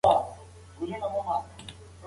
عالم کېدل یوازې په مطالعې نه بلکې په تقوا دي.